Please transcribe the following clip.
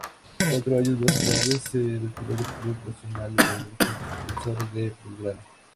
Cuatro años más tarde se retiró del fútbol profesional en Defensores de Belgrano.